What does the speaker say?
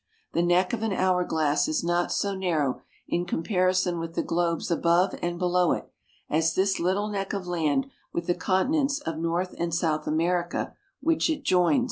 The neck of an hourglass is not so narrow in comparison with the globes above and below it as this little neck of land with the continents of North and South America which it joins.